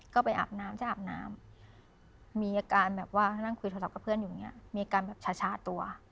ก็ไปอาบน้ำมีแอาการที่ข่อสอบกับเพื่อนมีแอาการช้าตัว